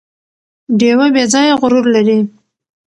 ډیوه بې ځايه غرور لري